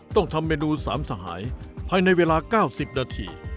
ต้องทำเมนู๓สหายภายในเวลา๙๐นาที